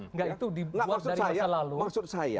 enggak itu dibuat dari masa lalu